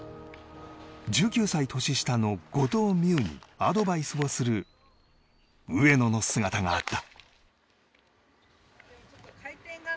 １９歳年下の後藤希友にアドバイスをする上野の姿があった。